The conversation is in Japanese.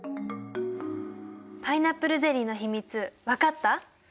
パイナップルゼリーの秘密分かった？